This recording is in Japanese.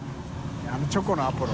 あのチョコのアポロ？